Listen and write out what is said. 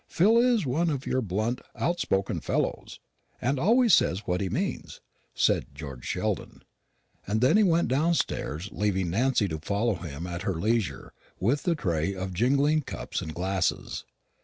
Phil is one of your blunt outspoken fellows, and always says what he means," said George Sheldon. And then he went downstairs, leaving Nancy to follow him at her leisure with the tray of jingling cups and glasses.